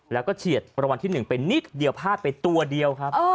แล้วก็เฉียดรางวัลที่๑ไปนิดเดียวพลาดไปตัวเดียวครับ